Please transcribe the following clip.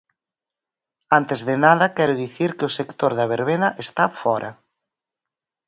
Antes de nada, quero dicir que o sector da verbena está fóra.